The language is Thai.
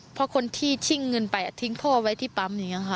เพราะคนที่ชิ่งเงินไปทิ้งพ่อไว้ที่ปั๊มอย่างนี้ค่ะ